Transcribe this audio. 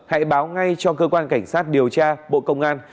hãy báo ngay cho cơ quan cảnh sát điều tra bộ công an